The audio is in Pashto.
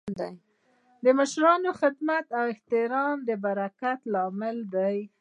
د مشرانو خدمت او احترام د برکت لامل دی.